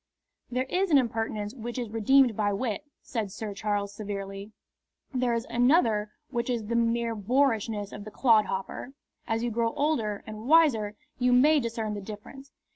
"There is an impertinence which is redeemed by wit," said Sir Charles, severely. "There is another which is the mere boorishness of the clodhopper. As you grow older and wiser you may discern the difference."